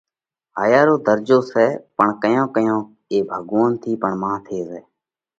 هايا رو ڌرجو سئہ، پڻ ڪيونڪ ڪيونڪ اي ڀڳوونَ ٿِي مانه پڻ ٿي زائه۔